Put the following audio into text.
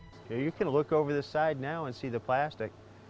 anda bisa melihat di sebelah sini dan melihat plastik